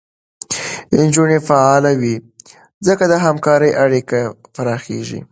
نجونې فعاله وي، ځکه د همکارۍ اړیکې پراخېږي.